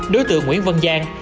đối tượng nguyễn vân giang